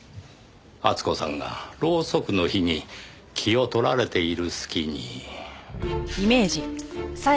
厚子さんがろうそくの火に気を取られている隙に。